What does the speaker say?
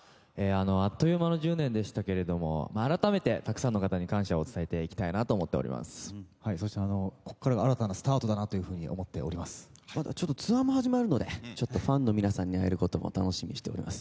あっという間の１０年でしたけれども改めてたくさんの方に感謝を伝えていきたいとここからが新たなスタートだとツアーも始まるのでファンの皆さんに会えるのも楽しみにしています。